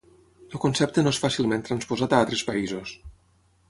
El concepte no és fàcilment transposat a altres països.